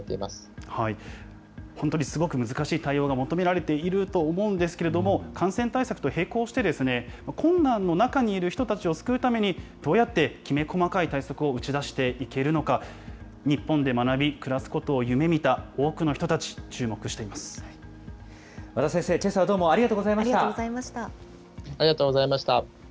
本当にすごく難しい対応が求められていると思うんですけれども、感染対策と並行して、困難の中にいる人たちを救うために、どうやってきめ細かい対策を打ち出していけるのか、日本で学び、暮らすことを夢みた多くの人たち、和田先生、けさはどうもありありがとうございました。